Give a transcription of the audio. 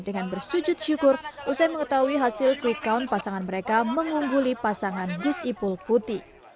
dengan bersujud syukur usai mengetahui hasil quick count pasangan mereka mengungguli pasangan gus ipul putih